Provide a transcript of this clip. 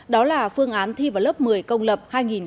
đó là phương án thi vào lớp một mươi công lập hai nghìn hai mươi năm